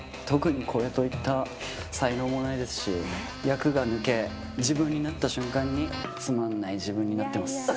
特にこれといった才能もないですし、役が抜け、自分になった瞬間につまらない自分になってます。